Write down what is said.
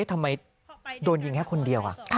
ทำไมโดนยิงแค่คนเดียว